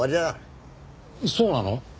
そうなの？